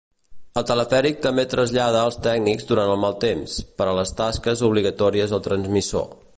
El telefèric també trasllada els tècnics durant el mal temps, per a les tasques obligatòries al transmissor.